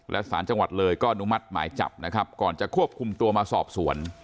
และสารจังหวัดเลยก็อนุมัติหมายจับนะครับก่อนจะควบคุมตัวมาสอบสวน